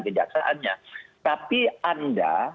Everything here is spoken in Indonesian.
kejaksaannya tapi anda